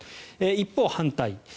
一方、反対。